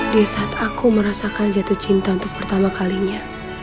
di saat aku merasakan jatuh cinta untuk pertama kalinya